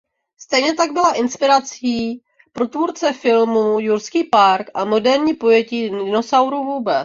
Stejně tak byla inspirací pro tvůrce filmu "Jurský park" a moderní pojetí dinosaurů vůbec.